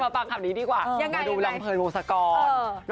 มาฟังคำนี้ดีกว่ายังไงยังไงมาดูลำเพลินวงสะกอนเออ